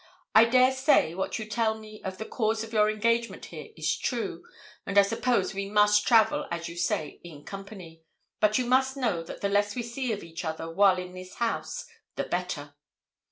I dare say what you tell me of the cause of your engagement here is true, and I suppose we must travel, as you say, in company; but you must know that the less we see of each other while in this house the better.'